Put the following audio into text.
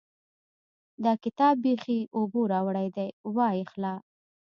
دا کتاب بېخي اوبو راوړی دی؛ وايې خله.